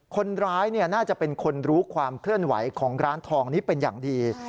คนร้ายน่าจะเป็นคนรู้ความเคลื่อนไหวของร้านทองนี้เป็นอย่างดี